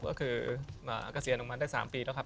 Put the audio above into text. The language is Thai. ก็คือเกษียณออกมาได้๓ปีแล้วครับ